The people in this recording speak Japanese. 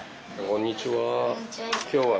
こんにちは。